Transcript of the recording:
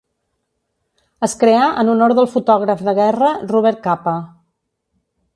Es creà en honor del fotògraf de guerra Robert Capa.